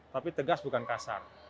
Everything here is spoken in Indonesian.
tapi tegas bukan kasar